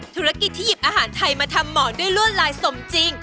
ธุรกิจที่หยิบอาหารไทยมาทำหมอนด้วยลวดลายสมจริง